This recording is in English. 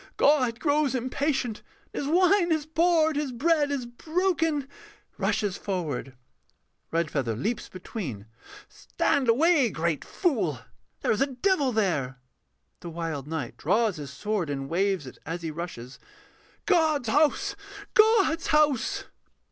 God grows impatient, and His wine is poured, His bread is broken. [Rushes forward.] REDFEATHER [leaps between]. Stand away, great fool, There is a devil there! THE WILD KNIGHT [draws his sword, and waves it as he rushes]. God's house! God's house!